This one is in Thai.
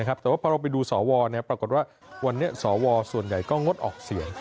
แต่ว่าพอเราไปดูสวปรากฏว่าวันนี้สวส่วนใหญ่ก็งดออกเสียง